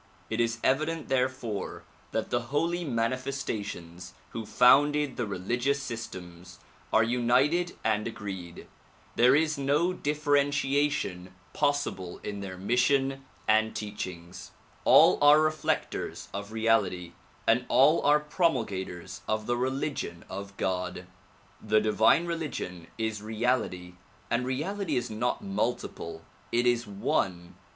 It is evident therefore that DISCOURSES DELIVERED IN BROOKLYN 193 the holy manifestations who founded the religious systems are united and agreed; there is no differentiation possible in their mission and teachings; all are reflectors of reality and all are promulgators of tlie religion of God, The divine religion is reality and reality is not multiple; it is one.